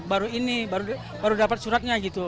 baru ini baru dapat suratnya gitu